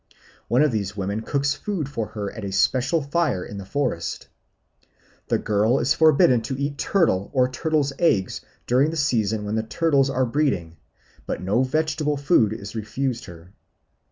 One of these women cooks food for her at a special fire in the forest. The girl is forbidden to eat turtle or turtle eggs during the season when the turtles are breeding; but no vegetable food is refused her.